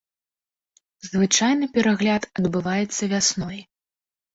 Звычайна перагляд адбываецца вясной.